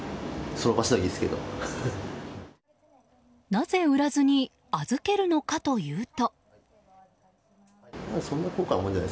なぜ売らずに預けるのかというと。